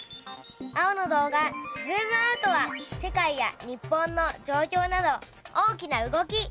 青の動画「ズームアウト」は世界や日本のじょうきょうなど大きな動き。